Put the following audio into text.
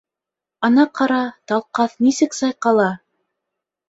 Ана, ҡара, Талҡаҫ нисек сайҡала!..